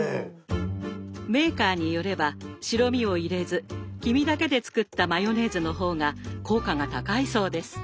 メーカーによれば白身を入れず黄身だけで作ったマヨネーズの方が効果が高いそうです。